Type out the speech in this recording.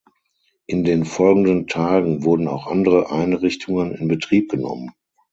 In den folgenden Tagen wurden auch andere Einrichtungen in Betrieb genommen.